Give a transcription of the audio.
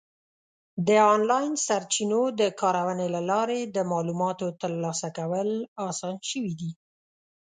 د آنلاین سرچینو د کارونې له لارې د معلوماتو ترلاسه کول اسان شوي دي.